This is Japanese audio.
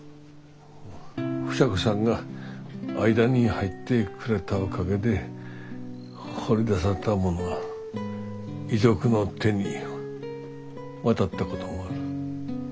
房子さんが間に入ってくれたおかげで掘り出せたものが遺族の手に渡ったこともある。